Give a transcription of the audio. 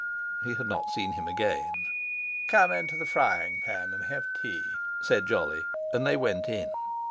_" He had not seen him again. "Come in to the Frying pan and have tea," said Jolly, and they went in.